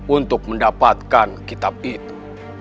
untuk mendapatkan kitab itu